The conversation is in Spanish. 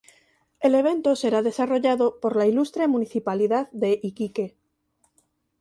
El evento será desarrollado por la Ilustre Municipalidad de Iquique.